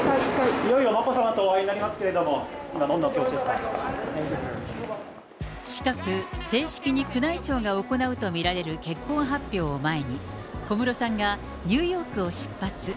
いよいよ眞子さまとお会いになりますけれども、今、近く、正式に宮内庁が行うと見られる結婚発表を前に、小室さんがニューヨークを出発。